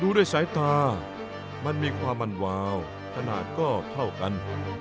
ด้วยสายตามันมีความมันวาวขนาดก็เท่ากัน